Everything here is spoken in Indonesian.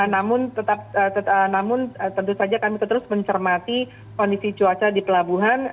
namun tetap namun tentu saja kami terus mencermati kondisi cuaca di pelabuhan